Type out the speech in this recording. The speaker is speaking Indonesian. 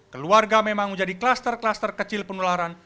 keluarga memang menjadi klaster klaster kecil penularan